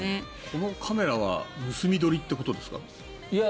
このカメラは盗み撮りということですか？